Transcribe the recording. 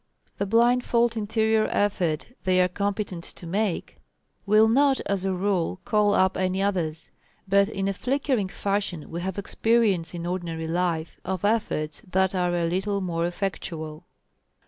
The blindfold interior effort they are competent to make, will not, as a rule, call up any others. But in a flickering fashion we have experience in ordinary life of efforts that are a little more effectual.